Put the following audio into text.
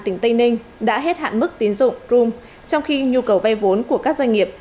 tỉnh tây ninh đã hết hạn mức tiến dụng crom trong khi nhu cầu vay vốn của các doanh nghiệp